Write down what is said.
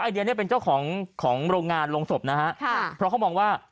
เดียเนี่ยเป็นเจ้าของของโรงงานโรงศพนะฮะค่ะเพราะเขามองว่า